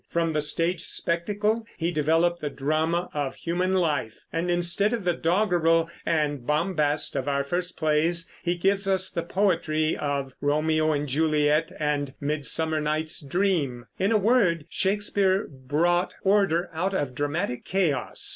From the stage spectacle he developed the drama of human life; and instead of the doggerel and bombast of our first plays he gives us the poetry of Romeo and Juliet and Midsummer Night's Dream. In a word, Shakespeare brought order out of dramatic chaos.